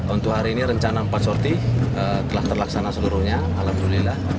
untuk hari ini rencana empat sorti telah terlaksana seluruhnya alhamdulillah